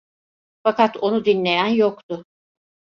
Fakat onu dinleyen yoktu.